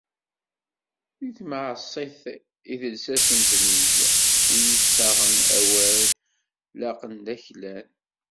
D timεaṣit i d llsas n tlelli. Wid yettaɣen awal laqen d aklan.